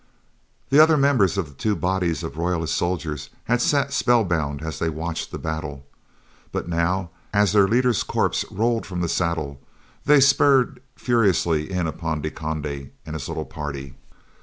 The other members of the two bodies of royalist soldiers had sat spellbound as they watched the battle, but now, as their leader's corpse rolled from the saddle, they spurred furiously in upon De Conde and his little party.